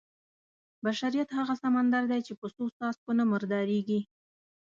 بشریت هغه سمندر دی چې په څو څاڅکو نه مردارېږي.